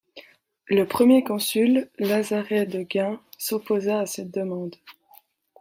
Le premier Consul, Lazare de Guin, s’opposa à cette demande.